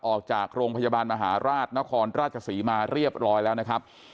ออกจากโรงพยาบาลมหาราชนครราชศรีมาเรียบร้อยแล้วนะครับ